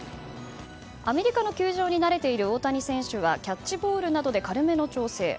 アメリカの球場に慣れている大谷選手はキャッチボールなどで軽めの調整。